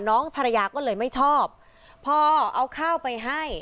น้องภรรยาก็เลยไม่ชอบพอเอาข้าวไปให้